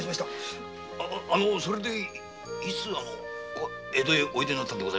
あそれでいつ江戸へおいでになったんです？